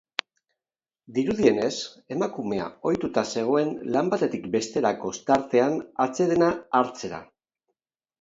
Dirudienez, emakumea ohituta zegoen lan batetik besterako tartean atsedena hartzera.